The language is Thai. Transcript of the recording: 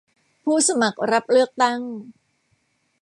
ผู้สมัครรับเลือกตั้ง